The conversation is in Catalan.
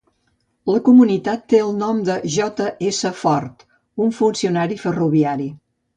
La comunitat té el nom de J. S. Ford, un funcionari ferroviari.